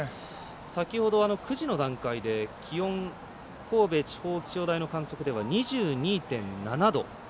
先ほど、９時の段階で気温、神戸地方気象台の観測では２２．７度。